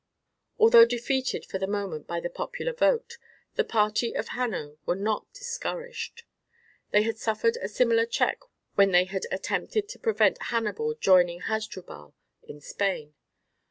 Although defeated for the moment by the popular vote, the party of Hanno were not discouraged. They had suffered a similar check when they had attempted to prevent Hannibal joining Hasdrubal in Spain.